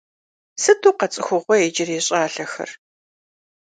Сыту къэцӏыхугъуей иджырей щӏалэхэр…